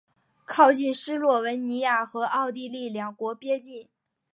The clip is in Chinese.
靠近斯洛文尼亚和奥地利两国边境。